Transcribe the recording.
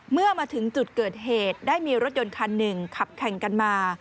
เมื่อมาถึงจุดเกิดเหตุได้มีรถยนต์คันหนึ่งขับแข่งกันมา